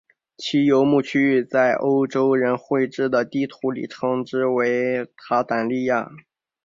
其游牧区域在欧洲人绘制的地图里称之为鞑靼利亚。